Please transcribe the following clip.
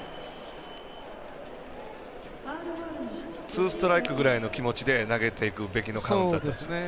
ツーストライクぐらいの気持ちで投げていくべきのカウントだった。